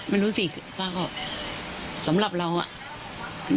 ไม่รู้สิป๊าก็ค่ะสำหรับเรานุเขาใหม่